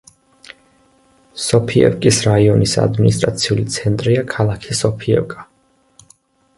სოფიევკის რაიონის ადმინისტრაციული ცენტრია ქალაქი სოფიევკა.